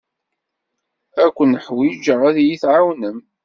Ad ken-ḥwijeɣ ad iyi-tɛawnem.